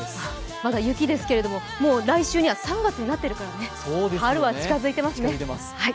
まだ雪ですけれども、もう来週には３月になっているから春は近づいていますね。